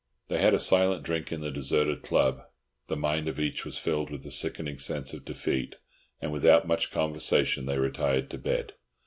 They had a silent drink in the deserted club. The mind of each was filled with a sickening sense of defeat, and without much conversation they retired to bed.